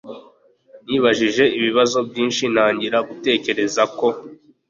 nibajije ibibazo byinshi ntangira gutekereza ko